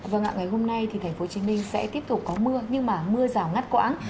vâng ạ ngày hôm nay thì tp hcm sẽ tiếp tục có mưa nhưng mà mưa rào ngắt quãng